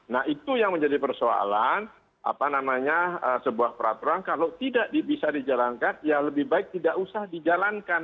nah itu yang menjadi persoalan apa namanya sebuah peraturan kalau tidak bisa dijalankan ya lebih baik tidak usah dijalankan